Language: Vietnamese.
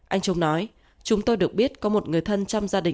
anh trung nói